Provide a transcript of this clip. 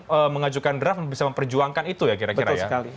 untuk mengajukan draft bisa memperjuangkan itu ya kira kira ya